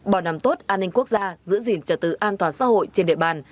bảo đảm tốt an ninh quốc gia giữ gìn trật tự an toàn xã hội trên địa bàn